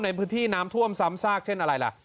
ในพื้นที่น้ำท่วมซ้ำซากเช่นอะไรล่ะ